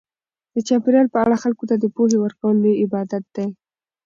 د چاپیریال په اړه خلکو ته د پوهې ورکول لوی عبادت دی.